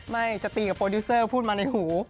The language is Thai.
ไม่จะตีกับโปรดิวเซอร์พูดมาในหู